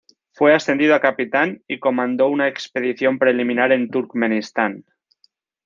Fue ascendido a capitán y comandó una expedición preliminar en Turkmenistán.